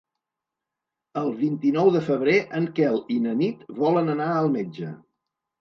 El vint-i-nou de febrer en Quel i na Nit volen anar al metge.